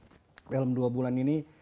maka inovasi alhamdulillah dalam dua bulan ini